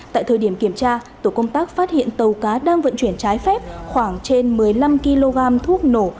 tại thời điểm kiểm tra tổ công tác phát hiện tàu cá đang vận chuyển trái phép khoảng trên một mươi năm kg thuốc nổ